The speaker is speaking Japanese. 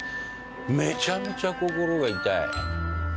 めちゃめちゃ心が痛い。